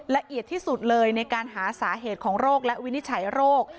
ละเอียดที่สุดเลยในการหาสาเหตุของโรคและวินิจฉัยโรค